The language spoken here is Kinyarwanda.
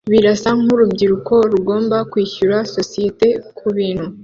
Birasa nkurubyiruko rugomba kwishyura societe kubintu